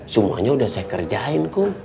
semuanya udah saya kerjain kok